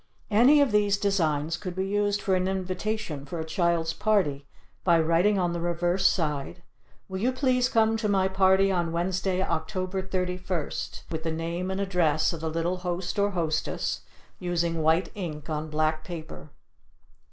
Any of these designs could be used for an invitation for a children's party, by writing on the reverse side: "Will you please come to my party on Wednesday, October 31st" with the name and address of the little host or hostess, using white ink on black paper.